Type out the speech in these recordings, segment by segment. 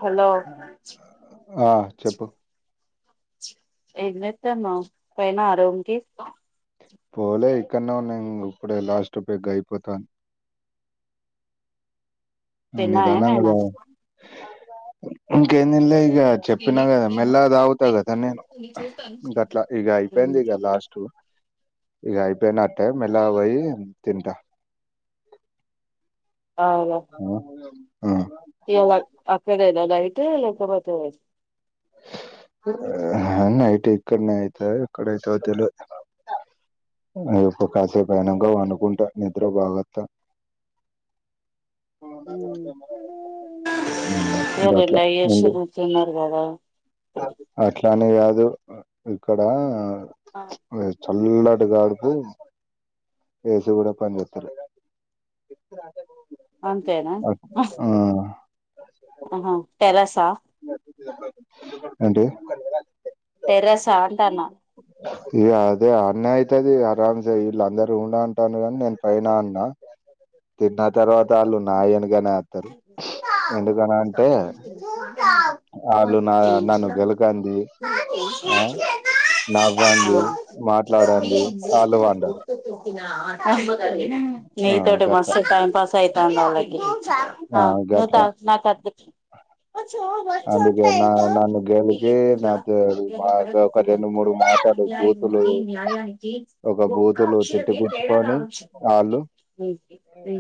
Hello ఆహ్ చెప్పు ఏంచేస్తన్నువు పోయినా వ రూమ్ కి పోలే ఇక్కన్నా ఉ నేను ఇప్పుడే లాస్ట్ పెగ్ అయిపోతుంది తిన్నా నీదానా ఏమైనా కదా ఇంకా ఎం తినలేని ఇక చెప్పినా కదా మెల్ల తాగుతా కదా నేను ఇంక అట్లా ఇక అయిపోయింది ఇక లాస్ట్ ఇ అయిపోయి నా టై మెల్లగా పోయి తింటా ఆ [inaudible] ఇలా అక్కడనా లైట్ లేకపోతే నతే ఇక్కడన్నాతే ఇక్కడ అయితే తెలువది రేపు కాసేపు అయినంగా అనుకుంటా నిద్ర బాగత్త ఇయాల గట్ల ఎంజాయ్ చేసి ఉండు కూర్చున్నారు కదా అట్లానీ కాదు ఇక్కడ ఆహ్ చల్లటి గాలికి ఏసీ కూడా పని చేస్తా లేదు అంతేనా ఆహా టెర్రస్ ఏంటి టెర్రస్ ఆ అంటున్న ఇ అదే అన్న అయితది అరాంసే వీళ్ళ అందరు ఉం అంటాను కాని నేను పైన ఏంటన్న ఆ తర్వాత్ వాళ్ళు నా వెనుకనే వస్తారు ఎందుకని అంటే ు నా నన్ను గెలకాంది ఆ నవ్వుంది మాట్లాడండి వాళ్ళు వాంటారు నతోోటి మస్త గట్లా టైమ్ పాస్ యితే అకి ఆ నూత గట్లా నా త చ అందుకే నా చయితు నన్ను గెలికి నాతో మా ఒక రెండు మూడు మాటలు బూతులు అన్యాయునికి న్యాయానికి ఒక ఒక్క బూతులు అక్షరమే తేడా తిట్టిపిచ్చుకొని కావచ్చుంది వాళ్ళు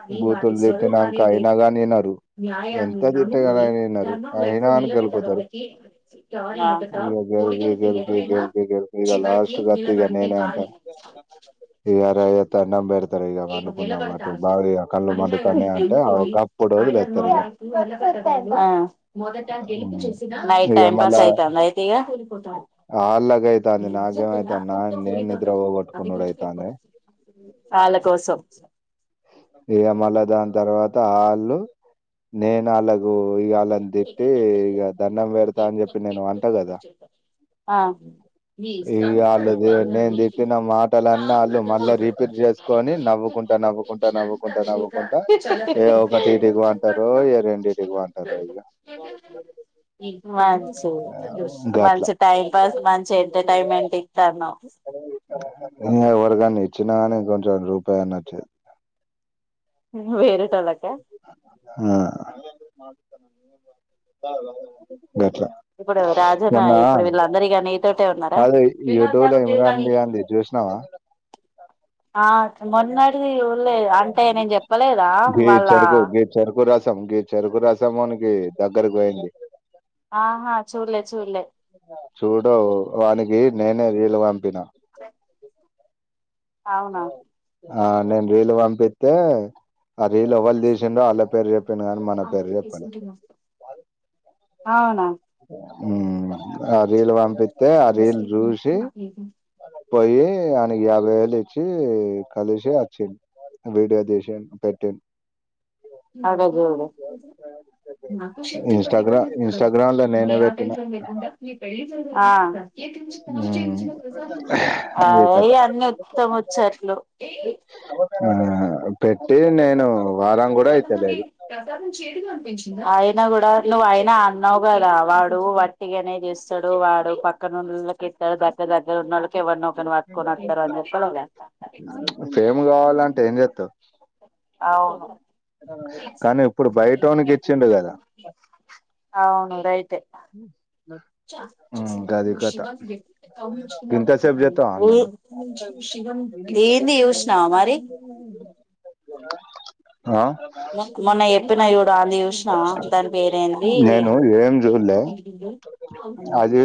అ ఇ ఈ బూతులు తిట్టినాంక స్వరూపాలద అయినా గాని వినరు న్యాయమ ఎంత ననుభయి తిట్టగానైనా దా వినరు వైపు అయినా అని నిలబంద గెలుకుతారు వాదకిాల అబత ఇక గెలిపి ఒడిగనికి గెలిపి ఎదులేనా గెలిపి గెలిపి ఇక అందరికకి లాస్ట్ వీళ్ళ కూడాంటే బగు యారు యతా నమ్బ రిగా వండుకుందాం అటు బగా కళ్ళు మంటతానే అంటే గప్పుడదు లే తరి ఇగ మొదట గెలిసి నైట్ ఇక టైం పాస్ అవుతుంది అయితే ఇపో ఆ అలాగైయిత అంద న నాగేమ అయితా నా నేన్ద్ర వో ఒట్కు నడైతా అందంది వాళ్ళ కోసం ఇ మళ దాని తర్వాత వాళ్ళు నేను అలాగు ఇ ఇని తిట్టి ఇక దండం వడతా అని చెప్పి నేను వంట కదా ఆ ఇ వాళ్ళుది నేను తిట్టిన మాటలన్న వాళ్ళు మళ్ళా రిపీట్ చేసుకొని నవ్వుకు ంట ంటా నవ్వుకుంటా నవ్వుకుంటా ఏ ఒకటి ఇటికి వంటారు ఏ రెండు ఇటికి వాంటారు ఇ ఏ మంచి గట్లా మంచి టైం పాస్ మంచి ఎంటర్టైన్మెంట్ ఇస్తాను ఇ ఎవరికన్ని ఇచ్చినా కాని కొంచెం రూపాయి అన్న వచ్చ వేరిటలోకే ఎట్లా ఇప్పుడు రాజన్ ఇప్పుడు వీళ్ళ అందరిగానీ నీతోటే ఉన్నారా కాదు యూట్యూబ్ లో ఇమ్రాన్ ఖాన్ ది గాంది చూసినావా ఆ మొన్నటిది ఊళ్ళ అంటే నేను చెప్పలేదు గీ చెరుకు గ చెరుకు రసం గీ చెరుకు రసం మనికి దగ్గరకు పోయింది ఆహా చూడలే చూలే చూడ వానికి నేనే వీలు పంపిన అవునా ఆ నేను రీలు పంపిస్తతే అ రీళ్ళవళు తీసిండడుో వాళ్ళ పేరు చెప్పాను కానీ మన పేరు చెప్పాను అవునా ఆ రీలు పంపిస్తతే ఆ రీల్ చూసి పోయ అ యాభై వేలు ఇచ్చి కలిసి వచ్చిను వీడియో తీసిాను పెట్టాను అడ త శికి పడలిడ ఇన్స్టాగ్రామ్ ఇన్స్టాగ్రామ్ లో నేనే ననా పెట్టిన టెన్షన్ లేకుంటా న పెళ్ి చ ఉమ్ అది కథ అయ అన్ని ఉత్తమ వచ్చట్లు ఆ పెట్టి నేను వారం కూడా ల మందిని అయితలేదు ప్రసాదం చేయగా అనిపించింది ఆయన కూడా నువ్వు ఆయన అన్నావ్ కద వాడు వట్టికి అనే ఇస్తాడు వాడు పక్క నున్నకిెట్టాడు దగ్గ దగ్ ఇద నల్క బ అట్క వతార అ చె ఫేమ్ కావాలంటే ఏం చేస్తావు అవు కానీ ఇప్పుడు బయటోనికి ఇచ్చిడు కదా హ చ ను్వు శివన్ గమనించుకున్నాము ఇంతసేపు చేస్తావా నన్ను క్లీన్లీ చూసినవ మరి ఏ మొన్న చెప్పిన చూడు అనిధి చూసినావా దాని పేరేంది హలో అది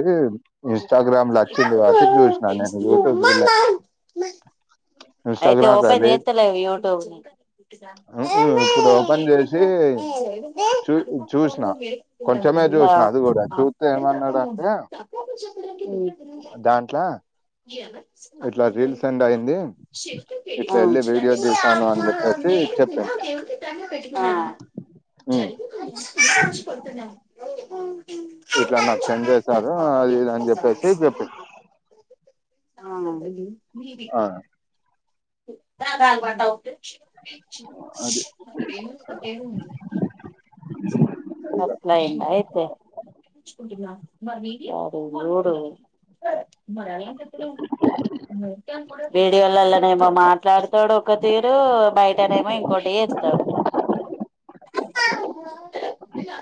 ఇన్స్టాగ్రామ్ లో వచ్చింది కాబట్టి చూసినా నేను యూట్యూబ్ చూడలే అమా అయితే ఇన్స్టాగ్రామ్ లో ఓపెన్ చేతలేవ్ యట్యూబ్ ఇప్పుడు ఓపెన్ చేసి ఆ చూ ఆ చూసిన కొంచెమే చూసిన అది కూడా చూస్తే ఏమన్నడు అంటే ప చెి న దాంట్లో ఇట్లా రీల్స్ సెండ్ అయింది ఇట్లా ఆ వెళ్ళి వీడియో తీసాను అని చెప్పేసి చెప్పిండు ఆ ఉమ్. జరిగుదడించికుతున్నాం ఇట్లా నాకు సెండ్ చేసారు ఆ అది ఇది అనేసి చెప్పు అవును అండి [unintelligible] పడ్డ ఒకే అది ఏముంది అట్లయింద అయితే ఎప్పుడూ వీడియోలలనేమో మాట్లాడతడు ఒక్క తీరు బయటనేమో ఇంకోటి చేస్తడు నా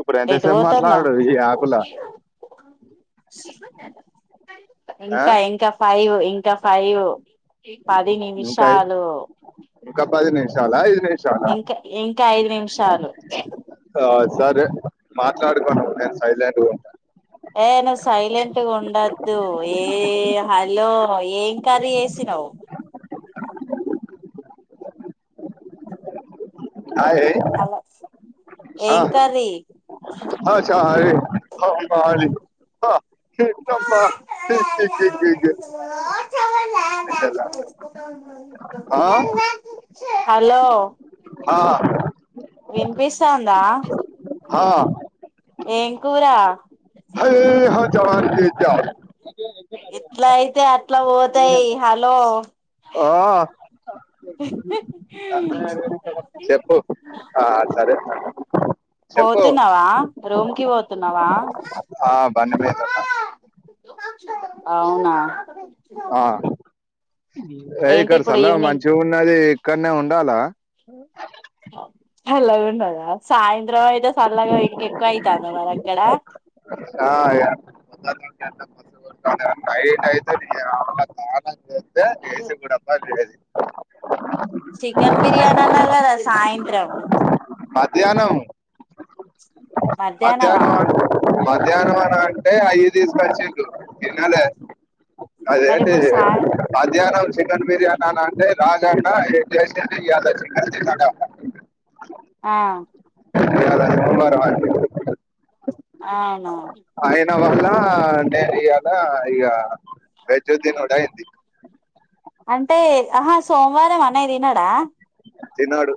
ఇప్పుడు ఎటు ఎంతసేపు పోతానవ్ మాట్లాడు ఈ యాప్ లో ఆ? ఇంకా ఇంకా ఫైవ్ ఇంకా ఫైవ్ పది ఇంకా నిమిషాలు ఇంకా పది నిమిషాలా ఐదు నిమిషాలా ఇంకా ఇం ఇంకా ఐదు నిమిషాలు ఆ సరే మాట్లాడుకో నువ్వు నేను సైలెంట్గా ఉంటా ఏ నువ్వు సైలెంట్గా ఉండద్దు ఏ హలో ఏం కర్రి చేసిర్రు ఔ ఆ హలో ఆ ఏం కర్రీ [unintelligible] ఆ [unintelligible] [unintelligible] ఆ హలో ఆ వినిపిస్తాందా ఆ ఏం కూరా [unintelligible] హా జవాన్ కే జాన్ ఇట్లా అయితే అట్లా పోతాయి హలో ఓ ఆ చెప్పు ఆ సరే చెప్పు రూంకి పోతున్నావా ఆ బండి మీద ఉన్న అవునా ఆ అయ ఏంటి ఇక్కడ ఇప్పుడు చల్లగ ఈవినింగ్ మంచిగ్ ఉన్నది ఇక్కడనే ఉండాలా హా సళ్ళగుండదా సాయంత్రం అయితే చల్లగా ఇంటికి ఎక్కువ అవుతద మరి అక్కడ ఆ య [inaudible] నైట్ అయితే స్నానం జేతే ఎసి గుడప్ప [unintelligible] చికెన్ బిర్యానీ అన్నవ్ గద సాయంత్రం మధ్యాహ్నం మధ్యాహ్నమా మధ్యానం మధ్యానం వన అంటే అయ్యి తీసుకోచ్చిు తినాల మరి అదేంటి ఇప్పుడు సాయ మధ్యాహ్నం చికెన్ బిర్యానీ అని అంటే [unintelligible] చేసింది [unintelligible] ఆ ఆది తరా అవునువును న వల్ల డైరి అలా ఈగ వెజ్జు తినుడ ఏంది అంటే ఆహా సోమవారం అన్ న్నా తినడా తిన్నాడు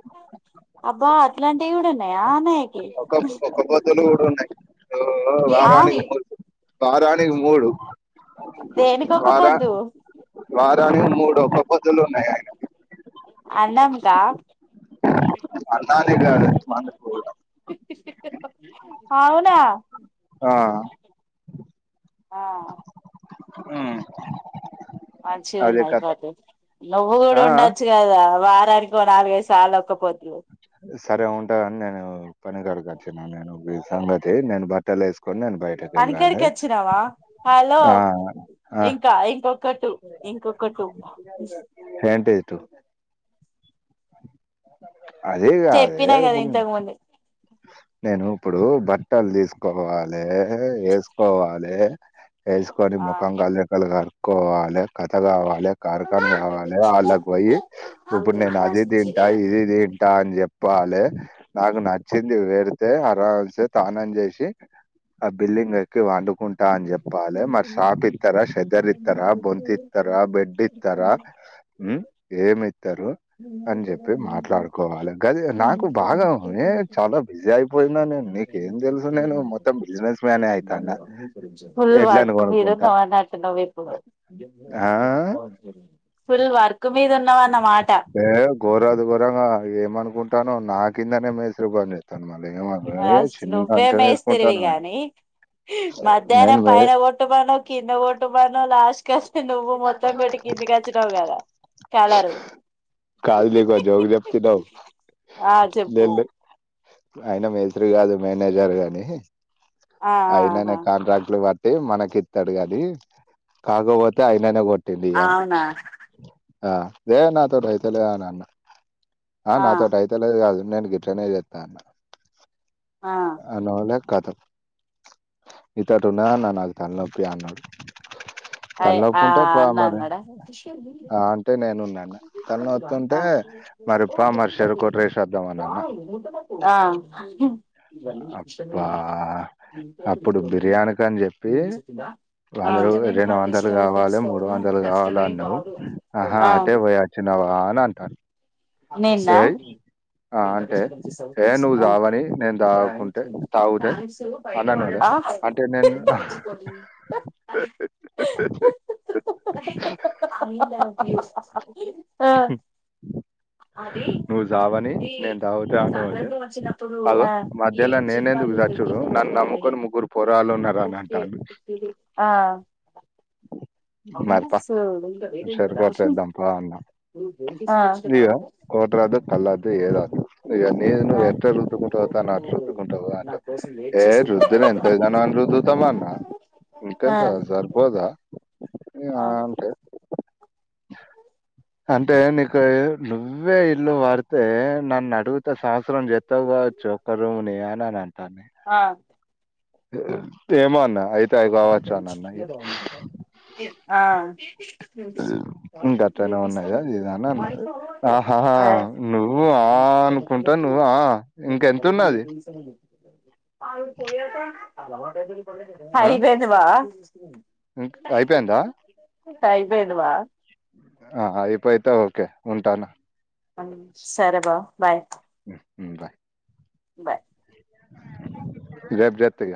అబ్బా అట్లాంటివి గూడ ఉన్నాయా నే ఒక ఒక బొతులు గూడ ఉన్నాయి ఓ ఆ వారానికి మూడు వారానికి మూడు దేనికి ఒక వార పొద్దు వారానికి మూడు ఒక పొద్దులు ఉన్న నేను అన్నం కా హి అన్నానికి కాదు హి మనకు అవున ఆ ఆ మంచి అదే కథ ఉన్నాయిపోతే నువ్వు గుడ ఆ, ఉండొచ్చు గదా వారానికి నాలుగైదు సార్లు ఒక్క పొద్దు సరే ఉంట గాని నేను పని గాడికి వచ్చిన నేను సంగతి నేను బట్టలు వేస్ పని కాడికి ఓచ్చినావ హలో ఆ, ఆ, ఇంకా ఇంకొక టు ఇంకొక టు టు అదే ఇగ అదే చెప్పినా కదా ఇంతకు [unintelligible] ముందు నేను ఇప్పుడు బట్టలు తీసుపోవాలే వేసుకోవాలె వేసుకొని ఆ ముఖం కలక్కలు కడుక్కోవాలి కథ కావాలె కార్ఖాన్ కావాలే వాళ్ళకి పోయి ఇప్పుడు నేను అది తింటా ఇది తింటా అని జేప్ పోవాలే నాకు నచ్చింది వేడితే అరాల్సి తానం జేసి ఆ బిల్డింగ్ ఎక్కి వండుకుంటా అని చెప్పాలే మరి షాప్ ఇత్తర షెద్దర్ ఇత్తర బొంతిత్ త్తర బెడ్ ఇత్తర హ్మ్ ఏం ఇత్తరు అని చెప్పి మాట్లాడుకోవాలె గది నాకు భాగ ఎ చాల నేను మొత్తం బిజినెస్ మ్యానే అయితాన్న. నువ్వు ఎడ్లను వర్కు మీద కొనుక్కుంటా. ఆ! [unintelligible] ఫుల్ వర్ ఏ ఘోరాది ఘోరంగా ఏమనుకుంటున్నావ్ నా కిందనే మేసిరి పన్ జె యస్ట నువ్వే మెస్ తిరివి ఏసుకుంటాన్నవు అని. గాని నేను మధ్యాహ్నం మే పైన గోట్టు పను కింద గోట్టు పను లాస్ట్ కాస్ట్ నువ్వు మొత్తం పెట్టి కిందికి ఒచ్చినవ్ కదా కలరు కల్కి గ జోబీ ఎత్తుకునవ్ ఆ చెప్పు దేల్దు అయిన మేస్త్రి కాదు మేనేజర్ గాని ఆ అయిననే ఆహా కాంట్రాక్ట్లు మనకి ఇత్తడు గానీ కాకపోతే అయిననే కొట్టిండు గ అవునా అ లెద్ నాతోటి అయితలేద్ అన్ అన్న ఆ నాతోటి అయితేలేదు కాదు గట్లానేతా ఆ అన వాళ్ళ కథం ఇతడు ఉన్నా నా నాకు తల నొప్పి అన్నాళ్ అయ ఆ అన్నా అంగడ ఆ అంటే నేనున్నా అన్న తలనొత్తుంటే మరి పా బ మరి చెరుకు కొట్రేసి వద్దామని అన్న వళ అబ్బా ప్రశంగా అప్పుడు బిర్యానీక అని చెప్పి వందలు రెండు వందలు కావాలి మూడు వందలు కావాల అన్నావు ఆహా ఆ అటే పో చిన్నవా అ నా అంటాను నేన్న ఎంత అంటే, కష్టస ఏ తెలుసు నువ్వు తాగని నేను తాగకుంటే తాగుతే బయళ్ళ ించ అననోలే. అంటే నేను ఆ ఆ ఆ నువ్వు సావని నేను తాగుతా అనోలే. అగో మధ్యలో నేనెందుకు సచ్చుడు నన్ను నమ్ముకొని ముగ్గురు పోరగాళ్ళున్నారని అంటాండు. మరి పా షేర్ కోట్ ఆ నయ కోోద్రదు పల్దు ఏదదు ఇవన్నీ ఎర రుద్దుకుంటావు తాను అ రుద్దుకుంటావు అంటే ఏ రుద్దుని ఎంతగానో అ ఇరుద్తమానా ఇంకెంత సర్బోదా ఆ అంతే అంటే నీకు నువ్వే ఇల్లు వారితే నన్ను అడుగుత సంవత్సరం జత్తవచ్చుక్కరుూని అని అని అంటాను ఆ ఏేమనా అయితే అవి వంత కావచ్చు అని అన్న ఇగ చెలేదా ఇం గట్నే ఉన్నాయా జదా ఉ ఆహాహ నువ్వు ఆ అనుకుంటా నువ్వు ఆ ఇంకెంత ఉన్నది పో హైపో బావా ఇ అయిపోయాందా అయిపోయింది బా అయిపోయిత ఓకే ఉంటాను సరే బా బాయ్ ా బాయ్ రేప్ చేస్తా ఇగ